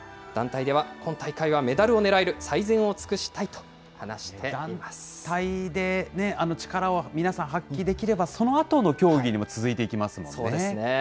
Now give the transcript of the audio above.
団体では今大会はメダルを狙える、最善を尽くしたいと話団体で力を皆さん発揮できれば、そのあとの競技にも続いていきますもんね。